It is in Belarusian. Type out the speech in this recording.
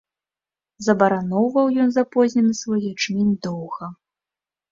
Забараноўваў ён запознены свой ячмень доўга.